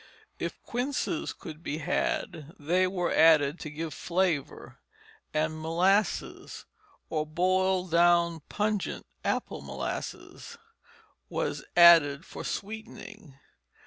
If quinces could be had, they were added to give flavor, and molasses, or boiled down pungent "apple molasses," was added for sweetening.